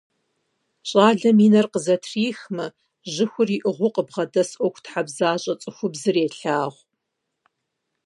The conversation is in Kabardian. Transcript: ЩӀалэм и нэр къызэтрихмэ, жьыхур иӀыгъыу къыбгъэдэс ӀуэхутхьэбзащӀэ цӀыхубзыр елъагъу.